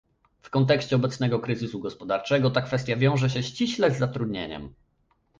W kontekście obecnego kryzysu gospodarczego ta kwestia wiąże się ściśle z zatrudnieniem